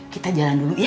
kita jalan dulu ya